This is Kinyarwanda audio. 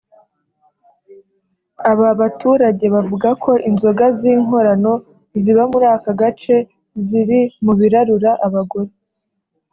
Aba baturage bavuga ko inzoga z’inkorano ziba muri ako gace ziri mu birarura abagore